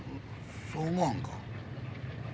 そう思わんか？